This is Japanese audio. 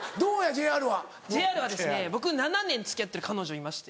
ＪＲは僕７年付き合ってる彼女いまして。